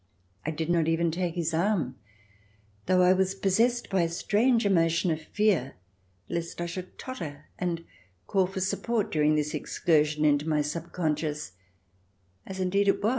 I did not even take his arm, though I was possessed by a strange emotion of fear lest I should totter, and call for support during this excur sion into my sub consciousness, as indeed it was.